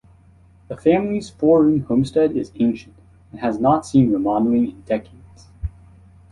The family's four-room homestead is ancient and has not seen remodeling in decades.